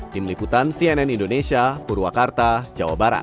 tim liputan cnn indonesia purwakarta jawa barat